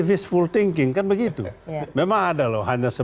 memang ada loh